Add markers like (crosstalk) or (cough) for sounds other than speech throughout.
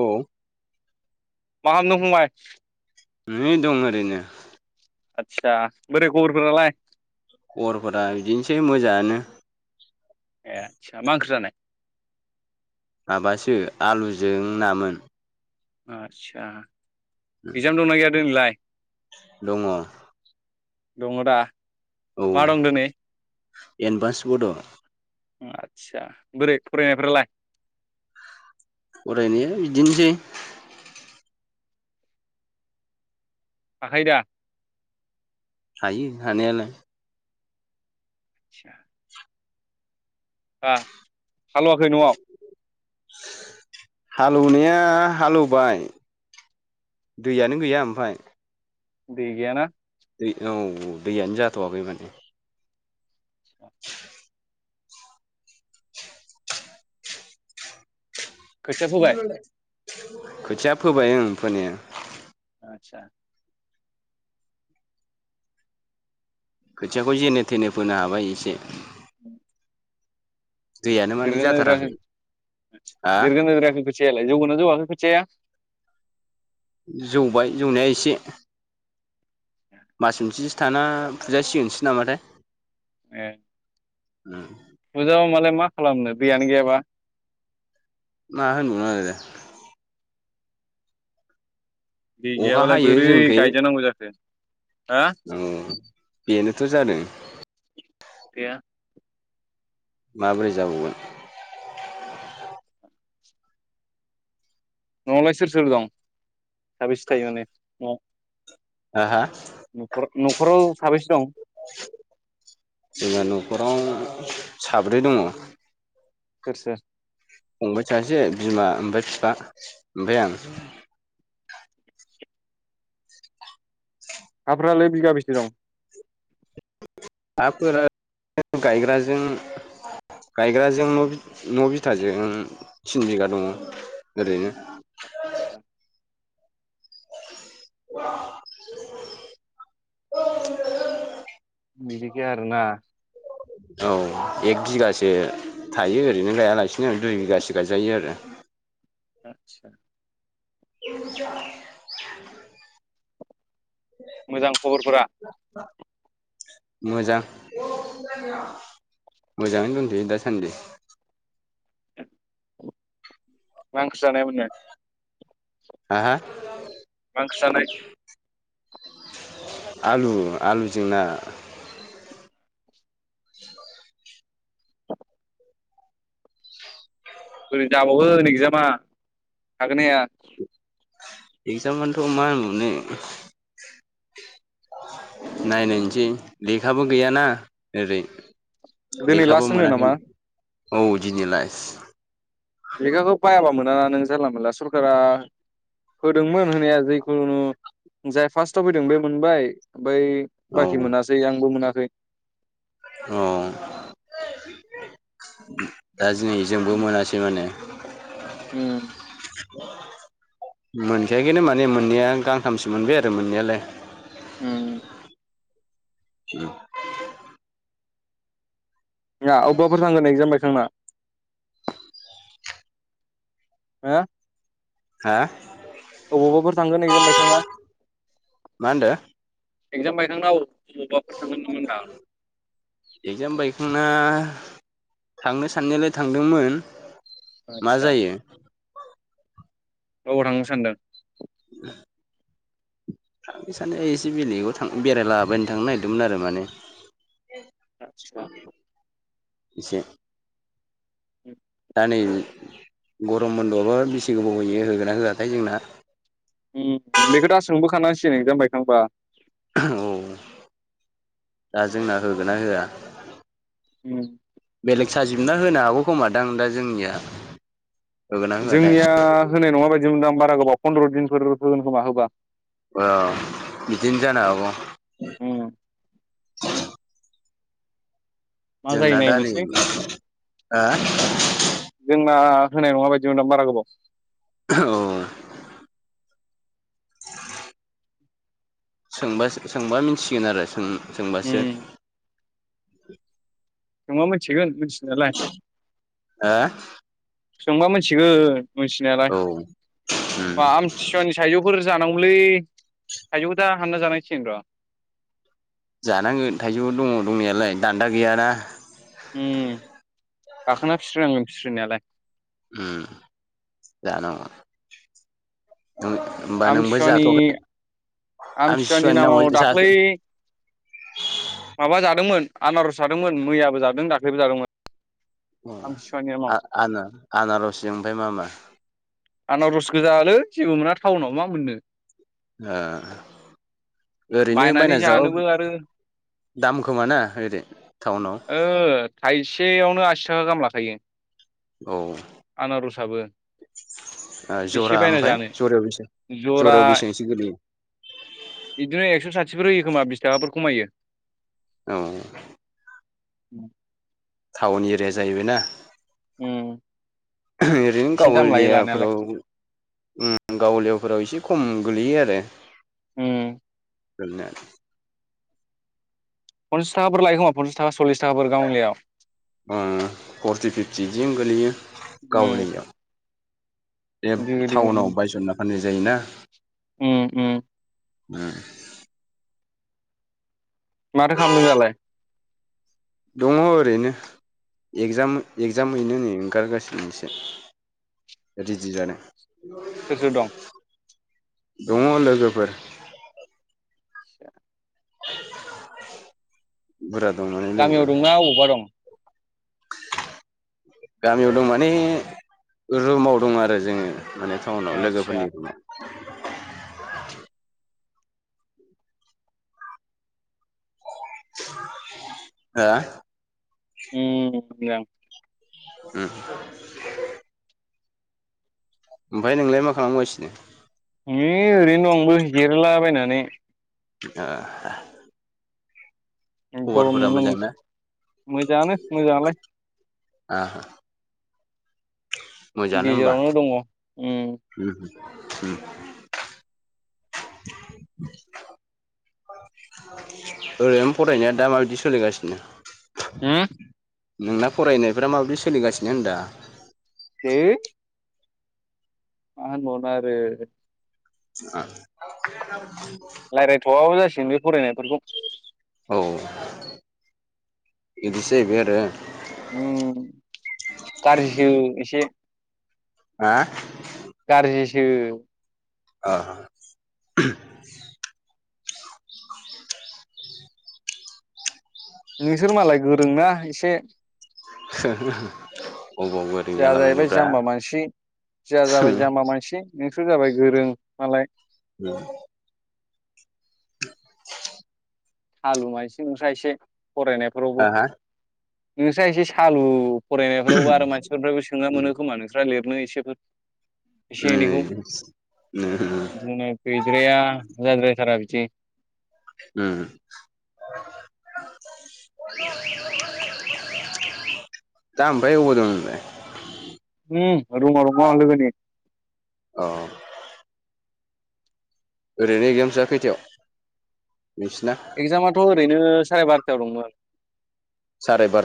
औ मा खालामदों फंबाय? नै दं ओरैनो। आतसा बोरै खबरफोरालाय खबरफोरा बिदिनोसै मोजाङानो ए आतसा मा ओंख्रि जानाय? माबासो आलुजों नामोन। आतसा इकजाम दंना गैया दिनैलाय? दङ औ दङ दा मा दं दिनै एदभानस बद' आतसा बोरै फरायनायफ्रालाय फरायनाया बिदिनोसै हाखायोदा हायो हानायालाय आतसा हाल'एवाखै न'आव हालएवनाया हालएवबाय दैयानो गैया ओमफ्राय दै गैयाना दै औ दैयानो जाथ'वाखै माने (inaudible) खोथिया फोबाय खोथिया फोबाय ओं फोनाया आतसा खोथियाखौ जेने थनो फोनो हाबाय एसे उ दैयानो माने देरदोंना देराखै जाथाराखै हा देरदोंना देराखै खोथियाया लाय जौदोंना जौवाखै खोथियाया जौबाय जौनाया एसे मास मोनसेसो थाना फुजासिगोनसो नामाथाय ए ओम फुजाबा मालाय मा खालामनो दैयानो गैयाबा मा होनबावनो आरो दै अखा गैयाबालाय हायो बोरै जोंनिखै गायजानांगौ जाखो हा औ बेनोथ' जादों एया माबोरै जाबावगोन न'आवलाय सोर सोर दं साबिसे थायो माने न'वाव हा हा न'खराव साबेसे दं जोंहा न'खराव साब्रै दङ सोर सोर फंबाय सासे बिमा ओमफ्राय बिफा ओमफ्राय आं हाफ्रालाय बिगा बेसे दं हाफोरा गायग्राजों गायग्राजों न' बिथा न' बिथाजों थिन बिगा दङ ओरैनो आदसा (unintelligible) बिदिखै आरो ना औ एक बिगासो थायो ओरैनो गायालासिनो दुइ बिगासो गायजायो आरो। आतसा (inaudible) मोजां खबरफोरा? मोजां मोजाङै दंथयो दासान्दि। (inaudible) मा ओंख्रि जानामोन नों? हा हा? मा ओंख्रि जानाय? आलु आलुजों ना। (inaudible) बोरै जाबावगोन एगजामा हागोना हाया? एकजामानथ' मा होनबावनो। नायनायनोसै लेखाबो गैयाना ओरै दिनै लेखाबो लास्ट होनो मोनाखै नामा औ दिनै लास। लेखाखौ बायाबा मोनाना नों जानला मोनला। सरखारा होदोंमोन होनाया जे खुनु जाय फार्स्टाव फैदों बे मोनबाय, ओमफ्राय औ बाखि मोनासै आंबो मोना खै औ दा दिनै जोंबो मोनासै माने। उम मोनखायाखैनो माने मोननाया आं गांथामसो मोनबाय आरो मोननायालाय। ओम (inaudible) ना अबेबाफोर थांगोन एगजाम बायखांना? हा? हा? अबावबाफोर थांगोन एकजाम बायखांना? मा होनदों? एक्जाम बायखांना अ? एक्जाम बायखांना थांनो साननायालाय थांदोंमोन मा आदसा जायो। अबाव थांनो सानदों? (inaudible) थांनो साननाया एसे बेलेगाव थां बेरायला बायनो थांनो नागिरदोंमोन आरो माने। आतसा। एसे (inaudible) दा नै गरम बन्द'आबा बेसे गोबाव होयो होगोना होआथाय जोंना। उम बेखौ दा सोंबोखानांसिगोन एक्जाम बायखांबा। औ दा जोंना होगोना होआ उम बेलेग साजिबना होनो हागौ खोमा दां दा जोंनिया होगोना होआथाय जोंनिया होनाय नङा बायदि मोनदों आं बारा गोबाव पन्द्र' दिनफोर होगोन खोमा होबा। ओ बिदिनो जानो हागौ। उम मा जायो जोंना दा नै नायनोसै। हा जोंना होनाय नङा बायदि मोनदां बारा गोबाव। अ (inaudible) सोंबासो सोंबा मिनथिसिगोन आरो उम सों-सोंबासो। सोंबा मिनथिगोन मिनथि हो? सोंबा मिनथिगोन मिनथिनायालाय उम बा आमथिसुवानि थाइजौ फोर जानांगौमोनलै थाइजौखौ दा हानना जानांसिगोन र'। जानांगोन थाइजौ दङ दंनायालाय दान्दा गैयाना। उ गाखोना फिस्रिनांगोन फिस्रिनायालाय उम जानांगौ होमबा नोंबो आमथिसुवानि जाथ'वाखै आमथिसुवानि नामाव दाख्लै माबा जादोंमोन आनारस जादोंमोन मैयाबो जादों दाख्लैबो जादोंमोन। आ आमथिसुवानि नामाव आ आना आनारस ओमफ्राय मा मा आनारस गोजा आरो जेबो मोना टाउनाव मा मोननो ओ ओरैनो बायनानै बायना जानोबो जाबा आरो दाम खोमाना ओरै टाउनाव सेयावनो आसि थाखा गाहाम लाखायो औ आनारसाबो बेसे जरा बायना ओमफ्राय जानो जरायाव बेसेबां जरा जरायाव बेसेबांसो गोलैयो बिदिनो एक्स'सा थिफोर होयो खोमा बिस थाखाफोर खमायो। औ (inaudible) टाउन एरिया जाहैबायना ओम ओरैनो गावलियाफोराव ओम गावलियाफोराव एसे खम गोलैयो आरो। होम। गोलैनायालाय पन्सास थाखाफोर लायो खोमा पन्सास थाखा फोर गावलियाव ओ फर्टि फिफ्टि थिनो गोलैयो उम गावलियायाव बे बेबायदि उम टाउनाव बायसनना फाननाय जायोना उम उम ओम माथो खालामदों दालाय? दङ ओरैनो एगजाम सोर एगजाम हैनो नै ओंखारगासिनोसो रेदि जादों सोर दं दङ लोगोफोर (inaudible) बोरो गामियाव दंना अबावबा दं? गामियाव दं माने रुमाव दं आरो जोङो। माने टाउनाव आदसा लोगोफोरनि रुमाव हा उम (unintelligible) उम ओमफ्राय नोंलाय मा खालामगासिनो? यै ओरैनो दं आंबो जिरलाबायनानै (unintelligible) ओ गरम खबरफोरा नुनो मोजां ना? मोजाङानो मोजाङालाय। आ मोजाङानो होमबा। गेजेरावनो दङ उम उम ओरैनो फरायनाया दा माबायदि सोलिगासिनो हुम। नोंना फरायनायफ्रा माबायदि सोलिगासिनो होनदां ए मा होनबावनो आरो औ नोंनि फरायनाय फोरखौ औ बिदिसोजाहैबाय आरो उ गार जिसो एसे ह गारजिसो आ नोंसोर मालाय गोरोंना एसे (unintelligible) जाहा जाहैबाय जालाबायनोब्रा जाम्बा मानसि जा जाबाय जाम्बा मानसि नों सोर जाबाय गोरों मालाय औ (unintelligible) सालु मानसि नोंस्रा एसे फरायनायफोरावबो हा दा नोंस्रा एसे सालु- फरायनायफ्रावबो आरो मानसिफोरफ्रायबो सोङा मोनो खोमा नोंस्रा लिरनो एसेफोर एसे एनैखौ बिदिनो गैद्राया जाद्रायाथारा बिदि- दे उ (unintelligible) दा ओमफ्राय वबेआव दं नोंलाय? उ रूमाव रुमाव लोगोनि- अ ओरैनो एकजामसआ खैथायाव नोंसिना एक्जामाथ' ओरैनो साराय बार'थायाव दंमोन।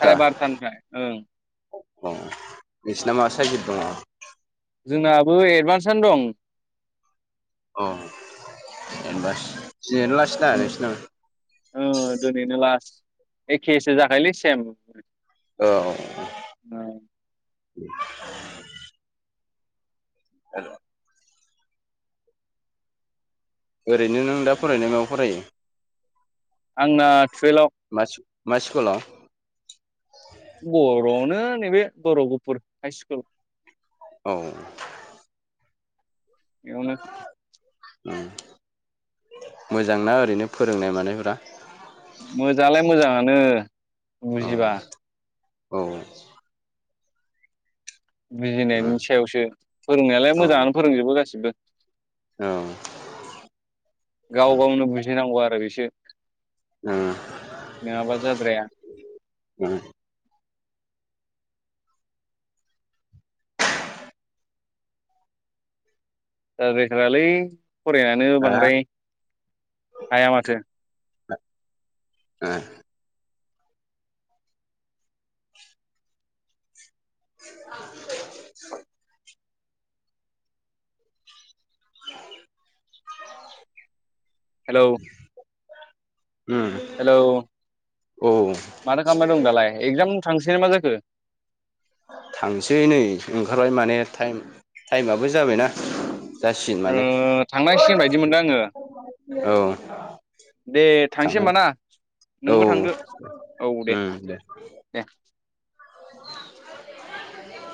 साराय बार'थानिफ्राय ओं- अ नोंसना मा साइजिद दङ? जोंनाबो एडभान्सनो दं। औ एदभान्स दिनैनो लाज ना बोसोरना? एखेसे जाखायलि सेम औ हा ओरैनो नों दा फरायनाय मायाव फरायो? आंना टुवेल्भआव। मा मा स्कुलाव? बर'आवनो नैबे बर' गुफुर हाइ स्कुल- औ इयावनो- मोजांना ओरैनो फोरोंनाय मानायफोरा मोजांआलाय मोजाङानो। बुजिबा औ-औ बिजिनायनि सायावसो फोरोंनायालाय औ मोजाङानो फोरोंजोबो गासिबो। औ ओ गाव गावनो बुजिनांगौ आरो बिसो- नङाब्ला जाद्राया ओ जाद्रायथारालै फरायनानो बांद्राय हाया माथो ए (unintelligible) हेलौ हेलौ औ माथो खालामना दं दालाय एक्जाम थां सिनेमा जाखो थांसै नै ओंखारबाय माने टाइम टाइमाबो जाबायना। जासिगोन माने ओ थांनांसिगोन बायदि मोनदों आङो औ दे थांसै थांनाय होमब ना औ नोंबो उम थांदो औ दे दे-दे (unintelligible)